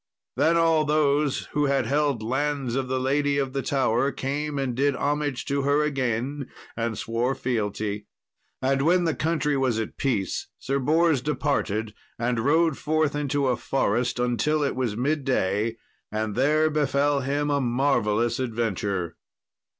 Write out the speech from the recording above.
Then all those who had held lands of the lady of the tower came and did homage to her again, and swore fealty. And when the country was at peace Sir Bors departed, and rode forth into a forest until it was midday, and there befell him a marvellous adventure.